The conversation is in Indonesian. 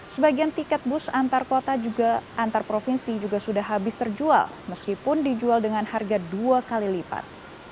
sebagian tiket bus antar kota juga antar provinsi juga sudah habis terjual meskipun dijual dengan harga dua kali lipat